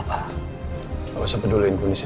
bapak usaha peduliin kondisi saya